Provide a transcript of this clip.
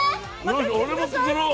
よし俺も作ろう。